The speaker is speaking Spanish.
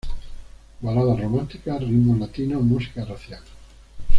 Baladas románticas, ritmos latinos, música racial.